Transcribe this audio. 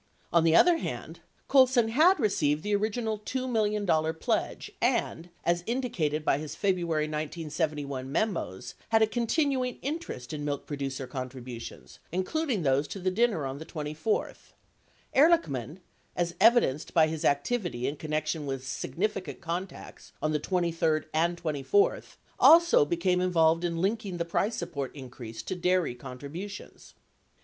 88 On the other hand, Colson had received the original $2 million pledge and, as indicated by his February 1971 memos, had a continu ing interest in milk producer contributions, including those to the dinner on the 24th ; Ehrlichman, as evidenced by his activity in con nection with significant contacts on the 23d and 24th, also became involved in linking the price support increase to dairy contributions.